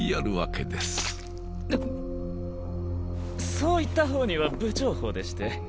そういった方には不調法でして。